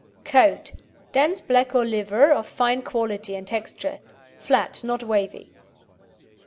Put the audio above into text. COAT Dense black or liver, of fine quality and texture. Flat, not wavy.